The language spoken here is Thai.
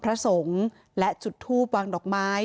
ประจำเรือหลวงสุโขทัยได้นิมลพระสงค์และจุดทูปวางดอกไม้